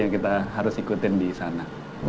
kita harus ikutin di sana